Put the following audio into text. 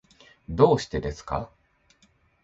どうしてですか。